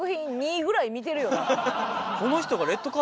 この人が。